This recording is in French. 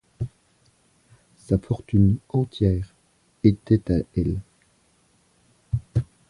Sa fortune entière était à elle.